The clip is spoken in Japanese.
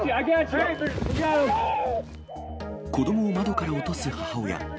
子どもを窓から落とす母親。